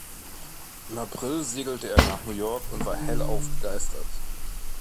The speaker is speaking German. Im April segelte er nach New York und war hellauf begeistert.